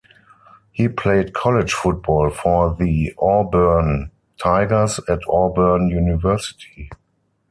He played college football for the Auburn Tigers at Auburn University.